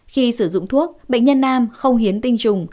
khi sử dụng thuốc bệnh nhân nam không hiến tinh trùng